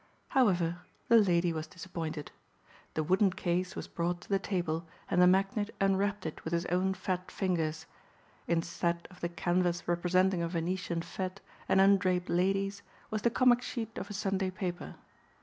However, the lady was disappointed. The wooden case was brought to the table and the magnate unwrapped it with his own fat fingers. Instead of the canvas representing a Venetian fête and undraped ladies, was the comic sheet of a Sunday paper.